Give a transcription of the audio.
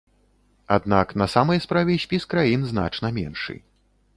Аднак на самай справе спіс краін значна меншы.